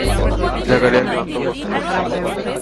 জাকারিয়া ক্লান্ত বোধ করছেন।